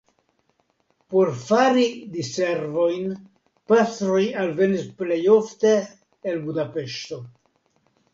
Por fari diservojn pastroj alvenis plej ofte el Budapeŝto.